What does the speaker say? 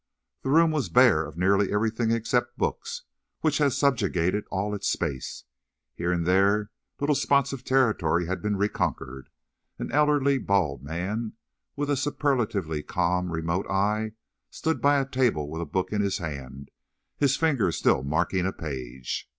The room was bare of nearly everything except books, which had subjugated all its space. Here and there little spots of territory had been reconquered. An elderly, bald man, with a superlatively calm, remote eye, stood by a table with a book in his hand, his finger still marking a page.